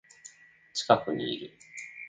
近くにいる